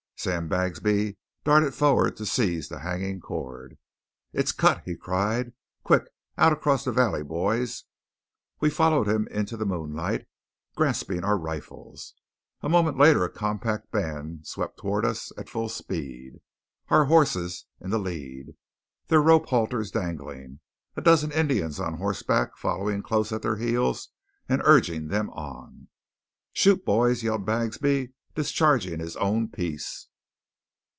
Sam Bagsby darted forward to seize the hanging cord. "It's cut!" he cried. "Quick! Out across the valley, boys!" We followed him into the moonlight, grasping our rifles. A moment later a compact band swept toward us at full speed, our horses in the lead, their rope halters dangling, a dozen Indians on horseback following close at their heels and urging them on. "Shoot, boys!" yelled Bagsby, discharging his own piece.